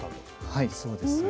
はいそうですね。